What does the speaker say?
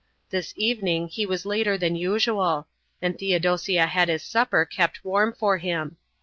This evening he was later than usual, and Theodosia had his supper kept warm for him.